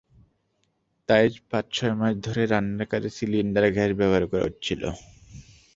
তাই পাঁচ-ছয় মাস ধরে রান্নার কাজে সিলিন্ডার গ্যাস ব্যবহার করা হচ্ছিল।